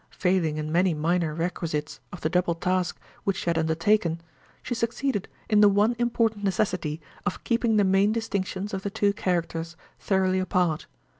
Failing in many minor requisites of the double task which she had undertaken, she succeeded in the one important necessity of keeping the main distinctions of the two characters thoroughly apart.